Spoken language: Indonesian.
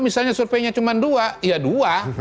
misalnya surveinya cuma dua ya dua